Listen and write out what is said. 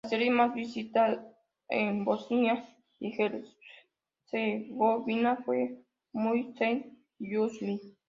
La serie más vista en Bosnia y Herzegovina fue "Muhteşem Yüzyıl".